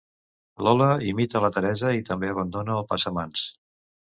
Lola imita la Teresa i també abandona el passamans.